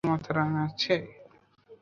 কিছু মাথায় আসছে?